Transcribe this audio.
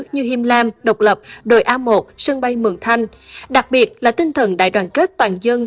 như hiêm lam độc lập đồi a một sân bay mường thanh đặc biệt là tinh thần đại đoàn kết toàn dân